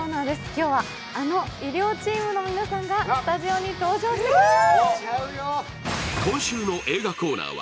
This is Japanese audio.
今日はあの医療チームの皆さんがスタジオに登場してくれます。